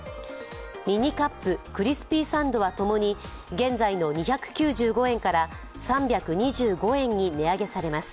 ミニカップクリスピーサンドはともに現在の２９５円から３２５円に値上げされます。